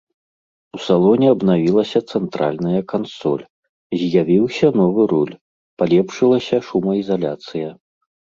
У салоне абнавілася цэнтральная кансоль, з'явіўся новы руль, палепшылася шумаізаляцыя.